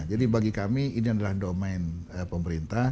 jadi bagi kami ini adalah domain pemerintah